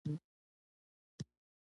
دا د بدخشان یوه پرمختللې ولسوالي ده